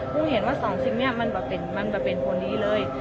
คุณเห็นว่าสองสิ่งเนี้ยมันแบบเป็นมันแบบเป็นผลนี้เลย